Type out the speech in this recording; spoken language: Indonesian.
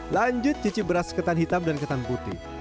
lanjut cicip beras ketan hitam dan ketan putih